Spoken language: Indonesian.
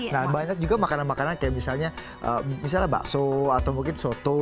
nah banyak juga makanan makanan kayak misalnya bakso atau mungkin soto